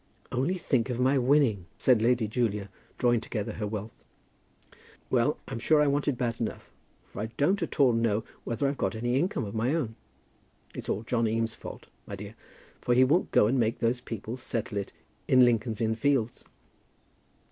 "Only think of my winning," said Lady Julia, drawing together her wealth. "Well, I'm sure I want it bad enough, for I don't at all know whether I've got any income of my own. It's all John Eames' fault, my dear, for he won't go and make those people settle it in Lincoln's Inn Fields."